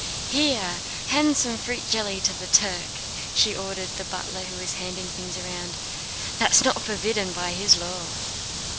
"Here, hand some fruit jelly to the Turk!" she ordered the butler who was handing things round. "That's not forbidden by his law."